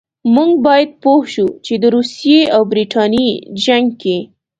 موږ باید پوه شو چې د روسیې او برټانیې جنګ کې.